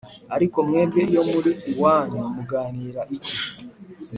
Ariko mwebwe iyo muri iwanyu muganira iki?